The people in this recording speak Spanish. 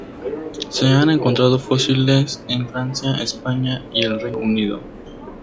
Se han encontrado fósiles en Francia, España y el Reino Unido.